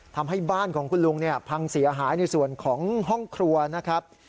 ทำให้บ้านของคุณลุงเนี่ยพังเสียหายในส่วนของห้องครัวนะครับ